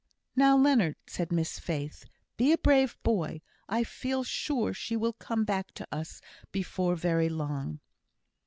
"Now, Leonard," said Miss Faith, "be a brave boy. I feel sure she will come back to us before very long."